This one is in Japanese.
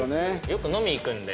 よく飲み行くんで。